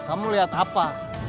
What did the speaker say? kamu lihat apa